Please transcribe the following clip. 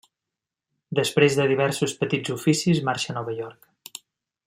Després de diversos petits oficis, marxa a Nova York.